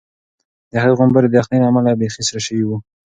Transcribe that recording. د هغې غومبوري د یخنۍ له امله بیخي سره شوي وو.